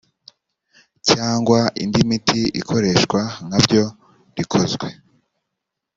cyangwa indi miti ikoreshwa nka byo rikozwe